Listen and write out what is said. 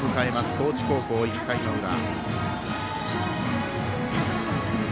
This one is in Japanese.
高知高校、１回の裏。